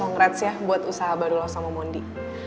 congrats yah buat usaha badulah sama mondi